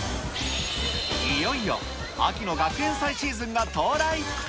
いよいよ秋の学園祭シーズンが到来。